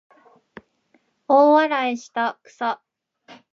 大笑いしたくさ